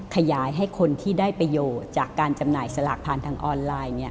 ขยายให้คนที่ได้ประโยชน์จากการจำหน่ายสลากผ่านทางออนไลน์